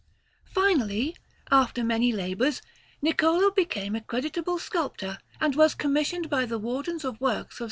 Finally, after many labours, Niccolò became a creditable sculptor, and was commissioned by the Wardens of Works of S.